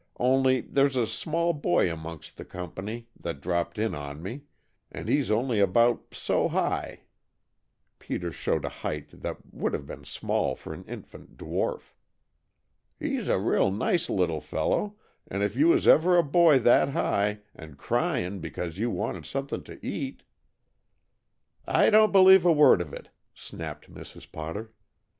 Only, there's a small boy amongst the company that dropped in on me and he's only about so high " Peter showed a height that would have been small for an infant dwarf. "He's a real nice little fellow, and if you was ever a boy that high, and crying because you wanted something to eat " "I don't believe a word of it!" snapped Mrs. Potter.